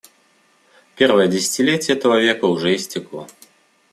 Первое десятилетие этого века уже истекло.